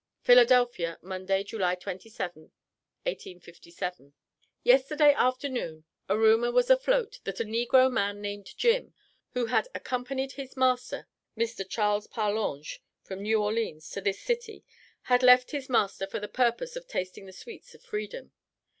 Philadelphia, Monday, July 27, 1857. Yesterday afternoon a rumor was afloat that a negro man named Jim, who had accompanied his master (Mr. Charles Parlange), from New Orleans to this city, had left his master for the purpose of tasting the sweets of freedom.